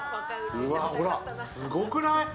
ほら、すごくない？